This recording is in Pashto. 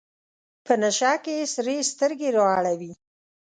په نشه کې سرې سترګې رااړوي.